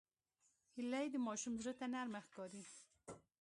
هیلۍ د ماشوم زړه ته نرمه ښکاري